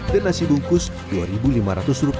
dan nasi bungkus rp dua lima ratus